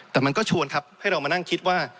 แต่มันก็ชวนครับให้เรามานั่งคิดว่า